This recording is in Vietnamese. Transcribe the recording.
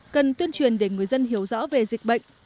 cần tuyên truyền để người dân hiểu rõ về dịch bệnh